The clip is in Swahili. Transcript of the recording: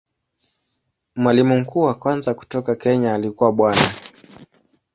Mwalimu mkuu wa kwanza kutoka Kenya alikuwa Bwana.